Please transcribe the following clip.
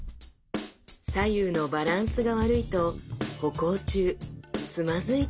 左右のバランスが悪いと歩行中つまずいたりしてしまいます。